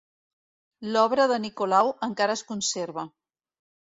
L'obra de Nicolau encara es conserva.